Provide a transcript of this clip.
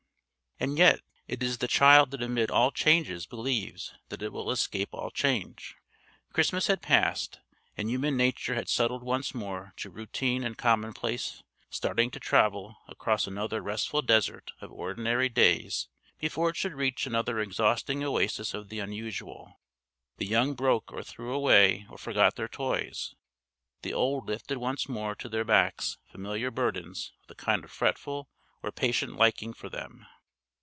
And yet it is the Child that amid all changes believes that it will escape all change. Christmas had passed, and human nature had settled once more to routine and commonplace, starting to travel across another restful desert of ordinary days before it should reach another exhausting oasis of the unusual. The young broke or threw away or forgot their toys; the old lifted once more to their backs familiar burdens with a kind of fretful or patient liking for them.